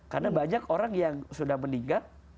karena banyak orang yang sudah meninggal